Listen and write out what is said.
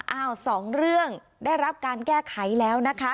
สองเรื่องได้รับการแก้ไขแล้วนะคะ